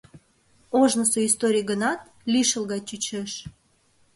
Ожнысо историй гынат, лишыл гай чучеш.